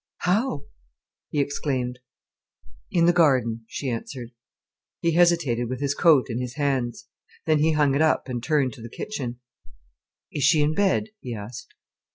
"How?" he exclaimed. "In the garden," she answered. He hesitated with his coat in his hands. Then he hung it up and turned to the kitchen. "Is she in bed?" he asked.